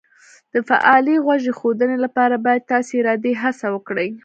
د فعالې غوږ ایښودنې لپاره باید تاسې ارادي هڅه وکړئ